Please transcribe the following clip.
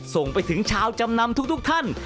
ส่งไปถึงชาวจำนำทุกท่าน